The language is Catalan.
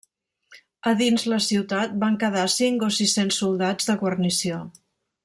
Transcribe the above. A dins la ciutat van quedar cinc o sis-cents soldats de guarnició.